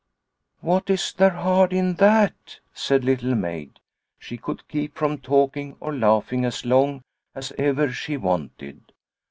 " What is there hard in that ?" said Little Maid. She could keep from talking or laughing as long as ever she wanted.